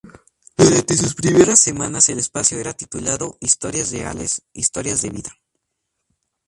Durante sus primeras semanas el espacio era titulado "Historias reales, historias de vida".